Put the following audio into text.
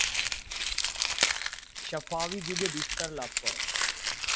Safavi যুগে শহর বিস্তার লাভ করে।